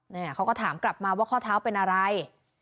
เนี่ยเขาก็ถามกลับมาว่าข้อเท้าเป็นอะไร